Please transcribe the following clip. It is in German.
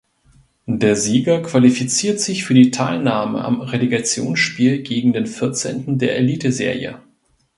Der Sieger qualifiziert sich für die Teilnahme am Relegationsspiel gegen den Vierzehnten der Eliteserie.